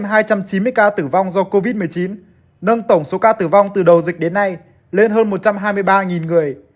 trong hai trăm chín mươi ca tử vong do covid một mươi chín nâng tổng số ca tử vong từ đầu dịch đến nay lên hơn một trăm hai mươi ba người